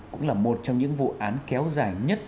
cũng là một trong những vụ án kéo dài nhất